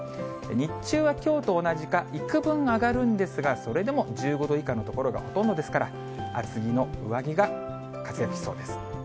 日中はきょうと同じか、幾分上がるんですが、それでも１５度以下の所がほとんどですから、厚めの上着が活躍しそうです。